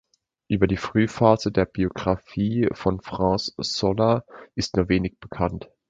Über die Frühphase der Biografie von Francesc Soler ist nur wenig bekannt.